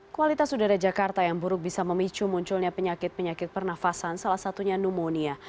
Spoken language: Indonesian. kualitas udara jakarta yang buruk bisa memicu munculnya penyakit penyakit pernafasan salah satunya pneumonia